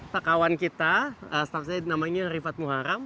pak kawan kita staff saya namanya rifat muharam